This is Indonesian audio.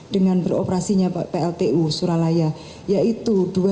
dengan beroperasinya pltu suralaya yaitu dua ribu delapan belas